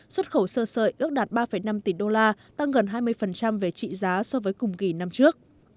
xuất khẩu sơ sợi ước đạt ba năm tỷ đô la tăng gần hai mươi về trị giá so với cùng kỳ năm trước